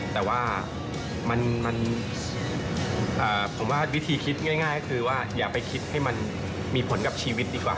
แต่ว่าผมว่าวิธีคิดง่ายก็คือว่าอย่าไปคิดให้มันมีผลกับชีวิตดีกว่า